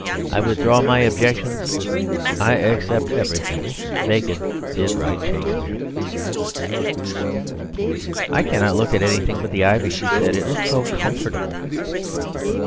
I withdraw my objections; I accept everything; bacon did write Shakespeare." "I cannot look at anything but the ivy," she said, "it looks so comfortable."